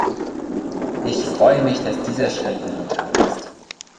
Ich freue mich, dass dieser Schritt nun getan ist!